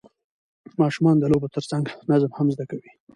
ماشومان د لوبو ترڅنګ نظم هم زده کوي